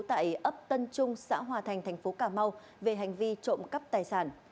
tại ấp tân trung xã hòa thành thành phố cà mau về hành vi trộm cắp tài sản